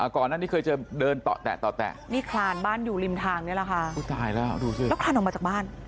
ก่อนนั้นที่เคยเจอเดินต่อแตะนี่คลานบ้านอยู่ริมทางนี่แหละค่ะแล้วคลานออกมาจากบ้าน